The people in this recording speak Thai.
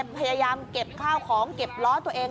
พยายามเก็บข้าวของเก็บล้อตัวเอง